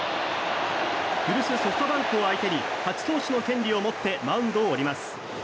古巣ソフトバンクを相手に勝ち投手の権利を持ってマウンドを降ります。